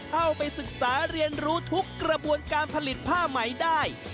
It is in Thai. เข้าไปศึกษาเรียนรู้ทุกกระบวนการผลิตผ้าไหมได้